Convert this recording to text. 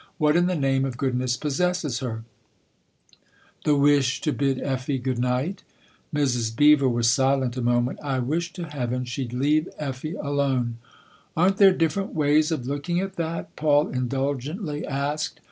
" What in the name of good ness possesses her ?"" The wish to bid Effie good night." Mrs. Beever was silent a moment. " I wish to heaven she'd leave Effie alone !" THE OTHER HOUSE 239 " Aren't there different ways of looking at that ?" Paul indulgently asked.